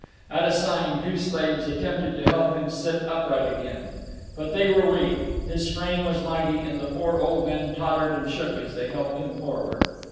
At a sign, two slaves attempted to help him sit upright again. But they were weak, his frame was mighty, and the four old men tottered and shook as they helped him forward.